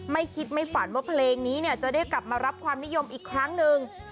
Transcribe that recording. ไม่คิดไม่ฝันว่าเพลงนี้เนี่ยจะได้กลับมารับความนิยมอีกครั้งหนึ่ง